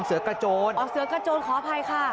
เสือกระโจนขออภัยค่ะอ๋อเสือกระโจนขออภัยค่ะ